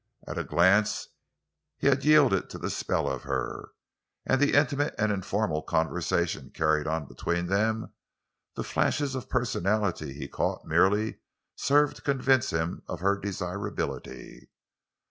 At a glance he had yielded to the spell of her, and the intimate and informal conversation carried on between them; the flashes of personality he caught merely served to convince him of her desirability.